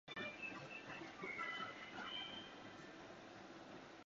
やめて、ネットが荒れる。